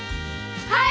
はい！